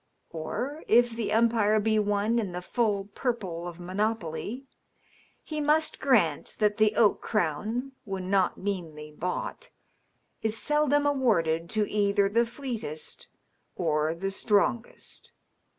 Or, if the umpire be one in the full purple of monopoly, he must grant that the oak crown, when not meanly bought, is seldom awarded to either the fleetest or the strongest.